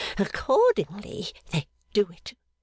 'Accordingly, they do it.